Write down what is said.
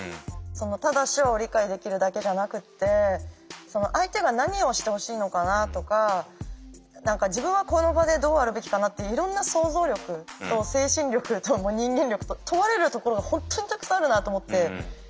ただ手話を理解できるだけじゃなくて相手が何をしてほしいのかなとか自分はこの場でどうあるべきかなっていろんな想像力と精神力と人間力と問われるところが本当にたくさんあるなと思って。